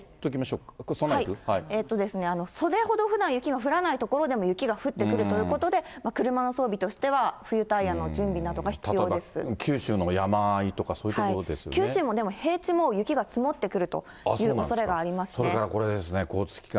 それほどふだん、雪が降らない所でも、雪が降ってくるということで、車の装備としては、九州の山あいとか、九州も平地も雪が積もってくそれからこれですね、交通機関。